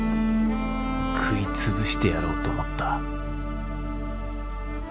食いつぶしてやろうと思った